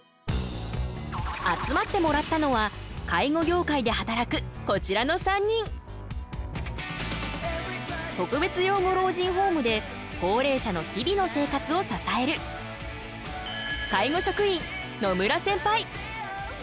集まってもらったのは特別養護老人ホームで高齢者の日々の生活を支える介護職員野村センパイ。